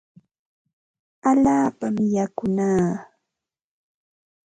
Allaapami yakunaa.